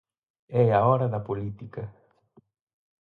É a hora da política.